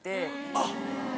あっ。